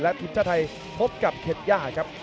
และกับทีมชาติไทยพบกับเคทรย่าครับ